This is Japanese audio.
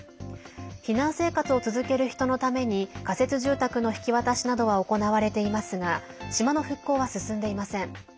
避難生活を続ける人のために仮設住宅の引き渡しなどは行われていますが島の復興は進んでいません。